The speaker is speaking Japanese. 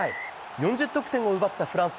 ４０得点を奪ったフランス。